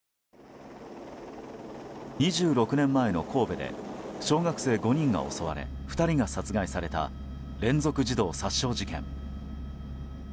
２６年前の神戸で小学生５人が襲われ２人が殺害された連続児童殺傷事件。